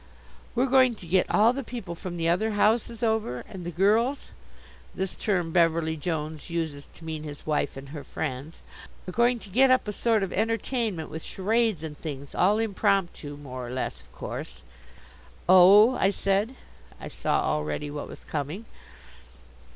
"We're going to get all the people from the other houses over and the girls" this term Beverly Jones uses to mean his wife and her friends "are going to get up a sort of entertainment with charades and things, all impromptu, more or less, of course " "Oh," I said. I saw already what was coming.